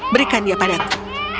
berikan dia padaku